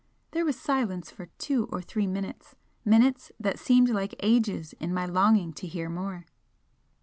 There was a silence for two or three minutes minutes that seemed like ages in my longing to hear more.